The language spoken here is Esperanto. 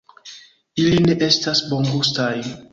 Ili ne estas bongustaj